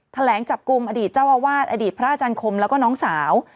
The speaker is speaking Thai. แถลงจับกลุ่มอดีตเจ้าอาวาสอดีตพระอาจารย์คมแล้วก็น้องสาว